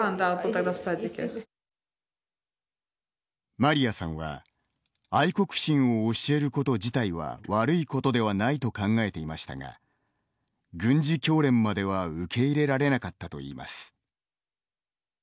マリアさんは愛国心を教えること自体は悪いことではないと考えていましたが軍事教練までは受け入れられなかったといいます。